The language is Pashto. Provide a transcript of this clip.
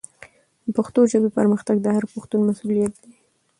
د پښتو ژبې پرمختګ د هر پښتون مسؤلیت دی.